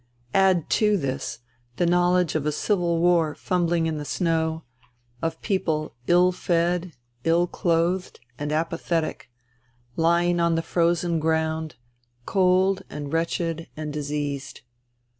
Add to this the knowledge of a civil war fumbling in the snow, of INTERVENING IN SIBERIA 183 people ill fed, ill clothed and apathetic, lying on the frozen ground, cold and wretched and diseased.